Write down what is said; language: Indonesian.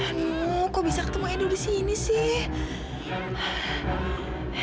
aduh kok bisa ketemu edu di sini sih